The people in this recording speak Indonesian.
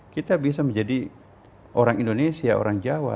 kita bisa menjadi orang indonesia orang jawa